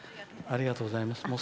ありがとうございます。